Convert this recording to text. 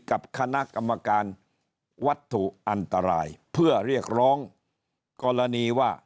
กับคณะกรรมการวัตถุอันตรายเพื่อเรียกร้องกรณีว่า